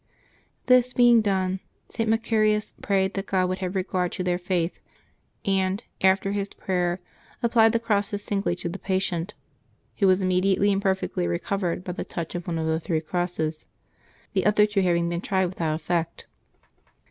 This being done, St. Macarius prayed that God would have regard to their faith, and, after his prayer, applied the crosses singly to the patient, who was immediately and perfectly recov ered by the touch of one of the three crosses, the other two having been tried without effect.